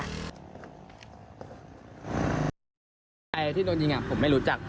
ไอ้ที่โดนยิงผมไม่รู้จัก